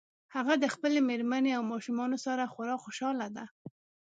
هغه د خپلې مېرمنې او ماشومانو سره خورا خوشحاله ده